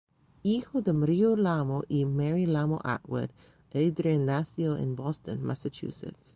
Hijo de Mario Lamo y Mary Lamo-Atwood, Adrián nació en Boston, Massachusetts.